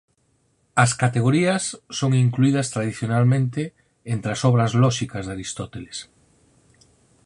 As "Categorías" son incluídas tradicionalmente entre as obras lóxicas de Aristóteles.